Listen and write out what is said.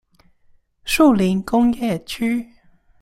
樹林工業區